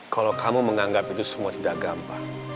kalau kamu menganggap itu semua sudah gampang